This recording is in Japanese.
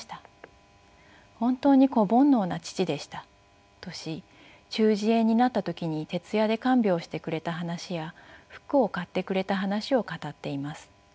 本当に子煩悩な父でした」とし中耳炎になった時に徹夜で看病してくれた話や服を買ってくれた話を語っています。